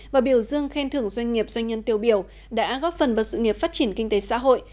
và biểu dương khen thưởng doanh nghiệp doanh nhân tiêu biểu đã góp phần vào sự nghiệp phát triển kinh tế xã hội